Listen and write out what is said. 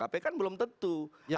kpk kan belum tentu